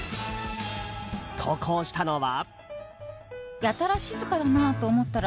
投稿したのは。